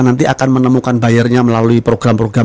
nanti akan menemukan buyernya melalui program program